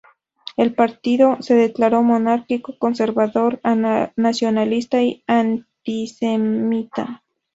El partido se declaró monárquico, conservador, nacionalista y antisemita.